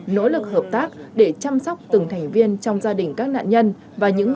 nối lực hợp lý với các bộ liên quan và chính quyền địa phương